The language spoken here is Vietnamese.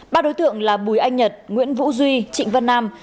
ba đối tượng là bùi anh nhật nguyễn vũ duy trịnh vân nam